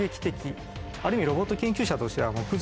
ある意味ロボット研究者としては。